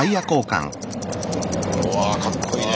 うわぁかっこいいね。